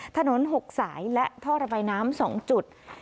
ถนน๖สายและท่อระบายน้ำ๒จุด